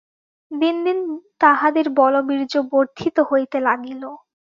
দিন দিন তাঁহাদের বলবীর্য বর্ধিত হইতে লাগিল।